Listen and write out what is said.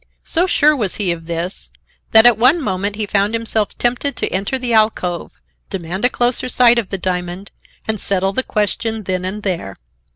So sure was he of this, that at one moment he found himself tempted to enter the alcove, demand a closer sight of the diamond and settle the question then and there.